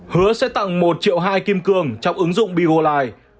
hứa sẽ tặng một triệu hai kim cương trong ứng dụng begolive